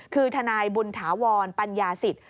คือทนายบุญถาวรปัญญาสิทธิ